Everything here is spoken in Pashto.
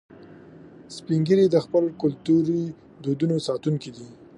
سپین ږیری د خپلو کلتوري دودونو ساتونکي دي